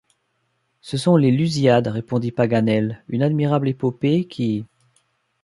Ce sont les Lusiades, répondit Paganel, une admirable épopée, qui...